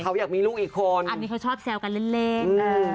เขาอยากมีลูกอีกคนอันนี้เขาชอบแซวกันเล่น